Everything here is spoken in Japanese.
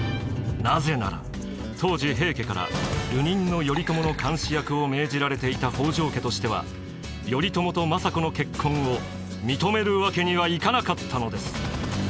なぜなら当時平家から流人の頼朝の監視役を命じられていた北条家としては頼朝と政子の結婚を認めるわけにはいかなかったのです。